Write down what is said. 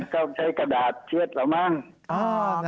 ก็ใช้กระดาษเชื้อดเหล่ามาก